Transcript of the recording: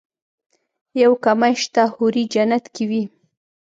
يو کمی شته حورې جنت کې وي.